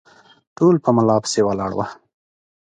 ټول په ملا پسې ولاړ وه